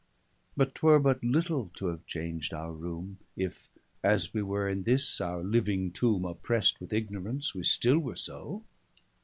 _] But 'twere but little to have chang'd our roome, If, as we were in this our living Tombe Oppress'd with ignorance, wee still were so.